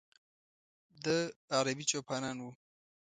د ه عربي چوپانان و.